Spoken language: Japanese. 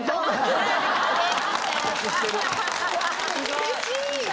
うれしい！